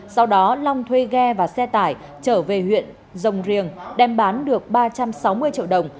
sau đó long thuê ghe và xe tải trở về huyện rồng riềng đem bán được ba trăm sáu mươi triệu đồng